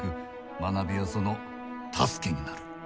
学びはその助けになる。